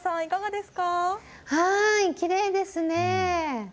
きれいですね。